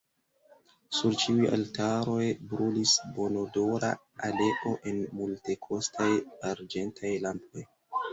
Sur ĉiuj altaroj brulis bonodora oleo en multekostaj arĝentaj lampoj.